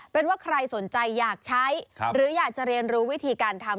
เป็นว่าใครสนใจอยากใช้หรืออยากจะเรียนรู้วิธีการทำ